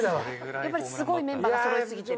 やっぱりすごいメンバーがそろいすぎてる？